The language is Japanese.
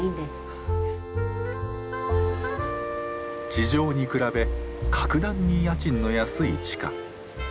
地上に比べ格段に家賃の安い地下。